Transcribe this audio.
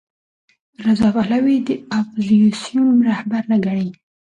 رضا پهلوي د اپوزېسیون رهبر نه ګڼي.